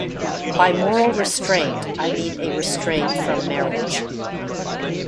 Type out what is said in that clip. By moral restraint I mean a restraint from marriage.